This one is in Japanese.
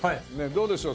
どうでしょう？